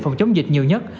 phòng chống dịch nhiều nhất